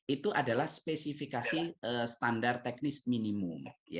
itu adalah spesifikasi standar teknis minimum